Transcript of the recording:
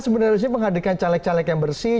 sebenarnya menghadirkan caleg caleg yang bersih